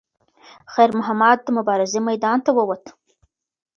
خیر محمد د مبارزې میدان ته وووت.